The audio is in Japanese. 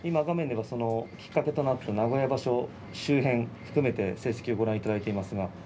画面ではきっかけとなった名古屋場所周辺を含めて成績をご覧いただいています。